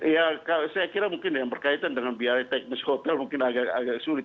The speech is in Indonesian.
ya saya kira mungkin yang berkaitan dengan biaya teknis hotel mungkin agak sulit